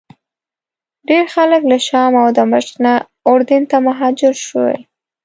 ډېر خلک له شام او دمشق نه اردن ته مهاجر شوي.